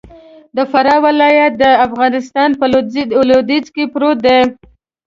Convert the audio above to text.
د فراه ولايت د افغانستان په لویدیځ کی پروت دې.